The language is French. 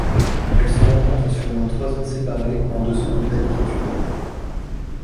Elle se rencontre sur au moins trois zones séparées, en dessous de d'altitude.